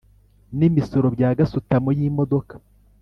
n imisoro bya gasutamo y imodoka